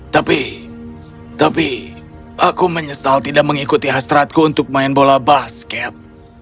tapi tapi aku menyesal tidak mengikuti hasratku untuk main bola basket